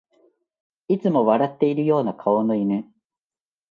いつも笑ってるような顔の犬